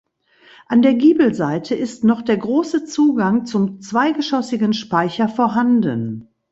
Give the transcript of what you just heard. An der Giebelseite ist noch der große Zugang zum zweigeschossigen Speicher vorhanden.